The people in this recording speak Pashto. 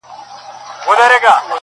دا په ټولو موږكانو كي سردار دئ!.